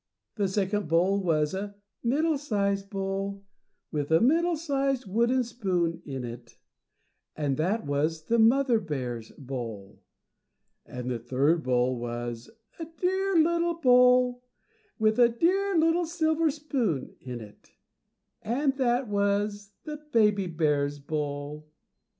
The second bowl was a +middle sized bowl+, with a +middle sized wooden spoon+ in it, and that was the mother bear's bowl. And the third bowl was a dear little bowl, with a dear little silver spoon in it, and that was the baby bear's bowl.